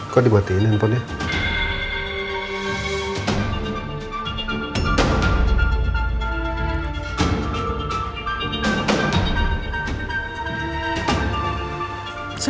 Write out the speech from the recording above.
kok dibatiin handphonenya